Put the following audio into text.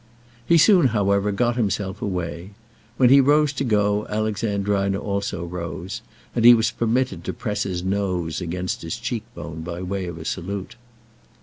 He soon, however, got himself away. When he rose to go Alexandrina also rose, and he was permitted to press his nose against her cheekbone by way of a salute.